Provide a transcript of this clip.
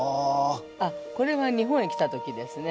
あっこれは日本へ来た時ですね。